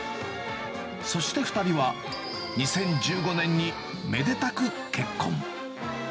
そして２人は、２０１５年にめでたく結婚。